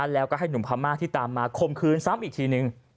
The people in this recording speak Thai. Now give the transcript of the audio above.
แล้วก็ให้หนุ่มพม่าที่ตามมาคมคืนซ้ำอีกทีนึง